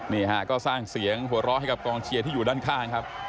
นี่ฮะก็สร้างเสียงหัวเราะให้กับกองเชียร์ที่อยู่ด้านข้างครับ